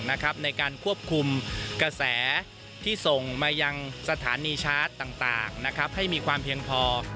ในการควบคุมกระแสที่ส่งมายังสถานีชาร์จต่างให้มีความเพียงพอ